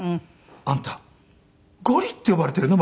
「あんたゴリって呼ばれているの？